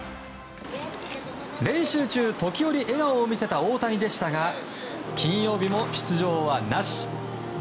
練習中、時折笑顔を見せた大谷でしたが金曜日も出場はなし。